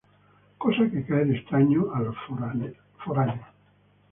Cosa que cae de extraño a los foráneos.